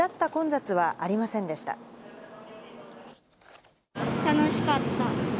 楽しかった。